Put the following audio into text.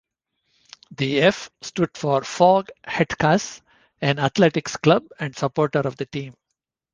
The "F" stood for Foghetcaz, an athletics club and supporter of the team.